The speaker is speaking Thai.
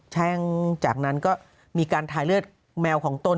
แช่งจากนั้นก็มีการทายเลือดแมวของตน